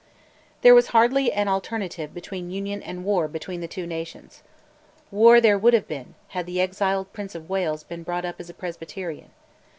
There was hardly an alternative between Union and War between the two nations. War there would have been had the exiled Prince of Wales been brought up as a Presbyterian.